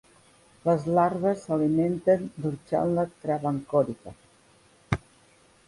Les larves s'alimenten d'"ochlandra travancorica".